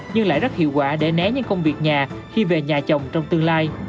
nhưng lại rất hiệu quả để né những công việc nhà khi về nhà chồng trong tương lai